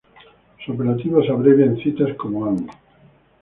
Su apelativo se abrevia en citas como Ann.